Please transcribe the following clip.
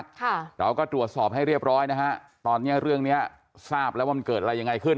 ค่ะเราก็ตรวจสอบให้เรียบร้อยนะฮะตอนเนี้ยเรื่องเนี้ยทราบแล้วว่ามันเกิดอะไรยังไงขึ้น